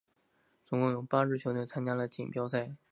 总共有八支球队参加了锦标赛。